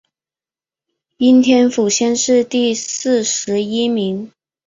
应天府乡试第四十一名。